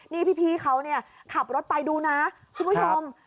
นี่พี่เขาเนี่ยขับรถไปดูนะคุณผู้ชม